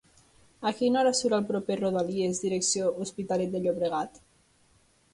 A quina hora surt el proper Rodalies direcció Hospitalet de Llobregat?